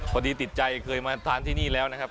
พอดีติดใจเคยมาทานที่นี่แล้วนะครับ